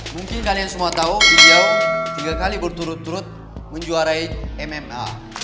mungkin kalian semua tahu beliau tiga kali berturut turut menjuarai mma